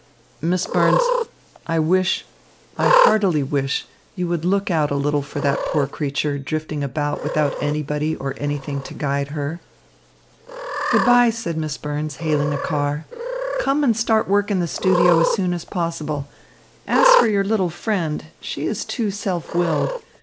Miss Burns, I wish, I heartily wish, you would look out a little for that poor creature drifting about without anybody or anything to guide her." "Good bye," said Miss Burns, hailing a car. "Come and start work in the studio as soon as possible. As for your little friend, she is too self willed.